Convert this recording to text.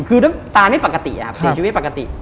คือตาไม่ปกติสิ่งชีวิตปกติ